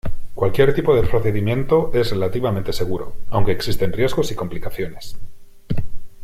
Cualquier tipo de procedimiento es relativamente seguro, aunque existen riesgos y complicaciones.